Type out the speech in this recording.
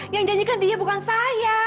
yang janjikan dia bukan saya